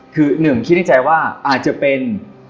คือหนึ่งคิดในใจว่าอาจจะเป็น